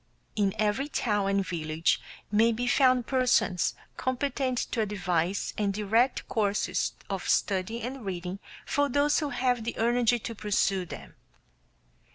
In every town and village may be found persons competent to advise and direct courses of study and reading for those who have the energy to pursue them.